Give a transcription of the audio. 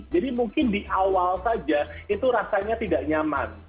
jadi mungkin di awal saja itu rasanya tidak nyaman